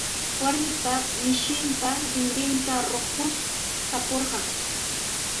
Warmiqa mishinpa rinrinta ruquskapurqan.